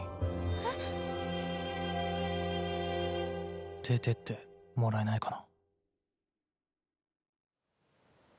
えっ？出てってもらえないかな。